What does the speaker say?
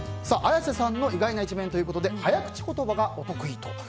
綾瀬さんの意外な一面ということで早口言葉がお得意と。